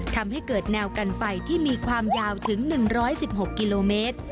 ทำให้เกิดแนวกันไฟที่มีความยาวถึง๑๑๖กิโลเมตร